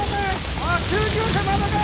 救急車まだか？